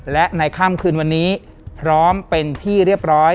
และในค่ำคืนวันนี้พร้อมเป็นที่เรียบร้อย